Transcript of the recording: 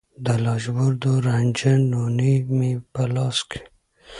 د لاجوردو رنجه نوني مې په لاس کې